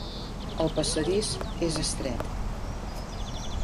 El passadís és estret.